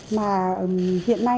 mà hiện nay